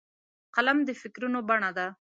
قلم د فکرونو بڼه ده